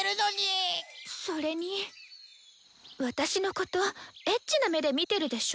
それに私のことエッチな目で見てるでしょ？